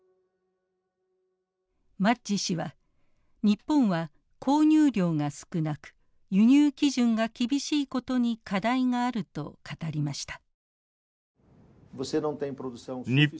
マッジ氏は日本は購入量が少なく輸入基準が厳しいことに課題があると語りました。